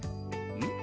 ・うん？